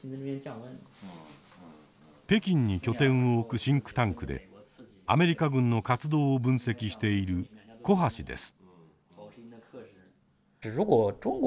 北京に拠点を置くシンクタンクでアメリカ軍の活動を分析している胡波氏です。